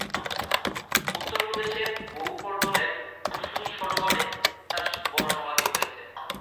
উত্তর প্রদেশের গোবর্ধনের কুসুম সরোবরে তাঁর বড় সমাধি রয়েছে।